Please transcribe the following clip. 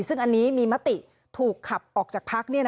ซึ่งอันนี้มีมติถูกขับออกจากพัก